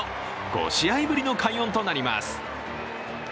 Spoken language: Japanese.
５試合ぶりの快音となります。